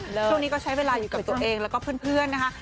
ช่วงนี้ก็ใช้เวลาอยู่กับตัวเองแล้วก็เพื่อนนะคะ